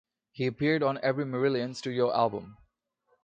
He appeared on every Marillion studio album.